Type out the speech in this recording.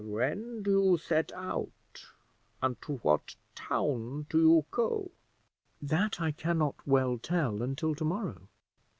"When do you set out, and to what town do you go?" "That I can not well tell until to morrow."